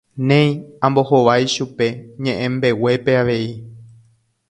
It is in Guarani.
Néi, ambohovái chupe ñe'ẽmbeguépe avei.